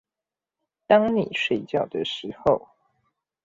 當你睡覺的時候